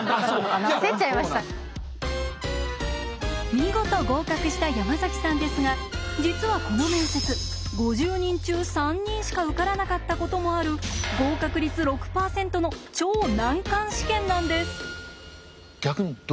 見事合格した山崎さんですが実はこの面接５０人中３人しか受からなかったこともある合格率６％の超難関試験なんです。